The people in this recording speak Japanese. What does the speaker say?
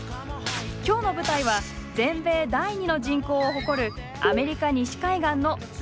今日の舞台は全米第２の人口を誇るアメリカ西海岸のロサンゼルス。